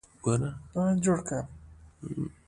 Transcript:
پخوانۍ شملې دې خدای لري.